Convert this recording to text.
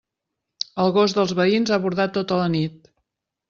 El gos dels veïns ha bordat tota la nit.